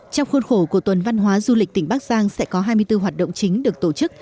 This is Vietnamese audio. trong khuôn khổ của tuần văn hóa du lịch tỉnh bắc giang sẽ có hai mươi bốn hoạt động chính được tổ chức